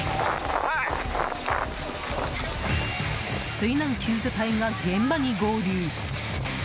水難救助隊が現場に合流。